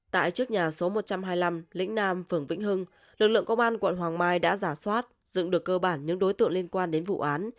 tại trước nhà số một trăm hai mươi năm lĩnh nam phường vĩnh hưng lực lượng công an quận hoàng mai đã giả soát dựng được cơ bản những đối tượng liên quan đến vụ án